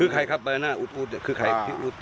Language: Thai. คือใครครับบาราน่าอุ๊ดคือใครอุ๊ด